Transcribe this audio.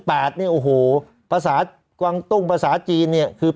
ภาษากวางตุ้งภาษาจีนคือ๘